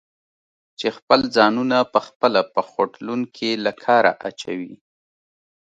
چې خپل ځانونه پخپله په خوټلون کې له کاره اچوي؟